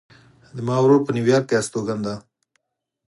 زما ورور په نیویارک کې استوګن ده